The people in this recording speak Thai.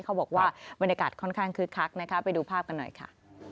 เขาบอกว่าบรรยากาศค่อนข้างคึกคักนะคะไปดูภาพกันหน่อยค่ะ